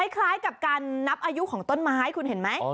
คล้ายกับการนับอายุของต้นไม้คุณเห็นไหม